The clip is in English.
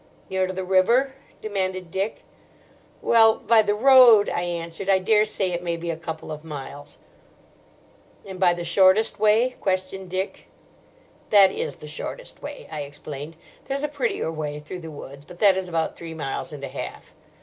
"Near to the river?" demanded Dick. "Well, by the road," I answered, "I daresay it may be a couple of miles." "And by the shortest way?" questioned Dick. "That is the shortest way," I explained; "there's a prettier way through the woods, but that is about three miles and a half."